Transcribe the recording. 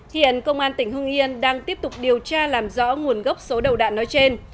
hiện công an tỉnh hưng yên đang tiếp tục điều tra làm rõ nguồn gốc số đầu đạn nói trên